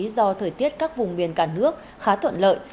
do thời tiết các vùng miền cả nước khá thuận lợi